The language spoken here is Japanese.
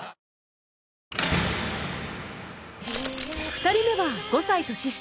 ２人目は５歳年下